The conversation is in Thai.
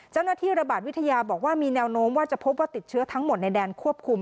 เจ้าหน้าที่ระบาดวิทยาบอกว่ามีแนวโน้มว่าจะพบว่าติดเชื้อทั้งหมดในแดนควบคุม